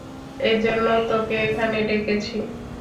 এজন্য তোকে এখানে ডেকেছি।